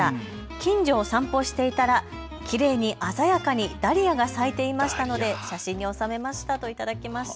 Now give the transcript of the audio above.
近所を散歩していたらきれいに鮮やかにダリアが咲いていましたので写真に収めましたと頂きました。